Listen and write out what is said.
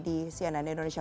di cnn indonesia